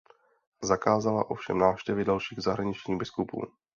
Zakázala ovšem návštěvy dalších zahraničních biskupů.